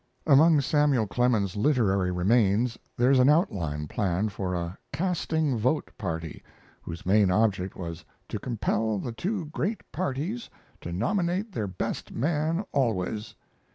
Among Samuel Clemens's literary remains there is an outline plan for a "Casting Vote party," whose main object was "to compel the two great parties to nominate their best man always."